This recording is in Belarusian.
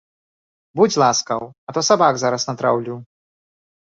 Будзь ласкаў, а то сабак зараз натраўлю.